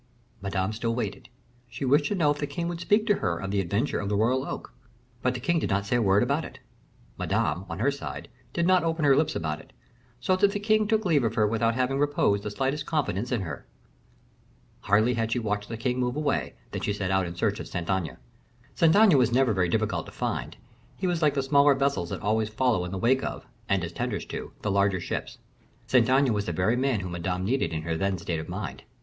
Madame still waited; she wished to know if the king would speak to her of the adventure of the royal oak. But the king did not say a word about it. Madame, on her side, did not open her lips about it; so that the king took leave of her without having reposed the slightest confidence in her. Hardly had she watched the king move away, than she set out in search of Saint Aignan. Saint Aignan was never very difficult to find; he was like the smaller vessels that always follow in the wake of, and as tenders to, the larger ships. Saint Aignan was the very man whom Madame needed in her then state of mind.